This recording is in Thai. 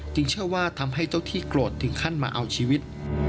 เชื่อว่าทำให้เจ้าที่โกรธถึงขั้นมาเอาชีวิต